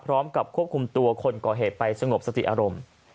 พร้อมกับควบคุมตัวคนก่อเหตุไปสงบสติอารมณ์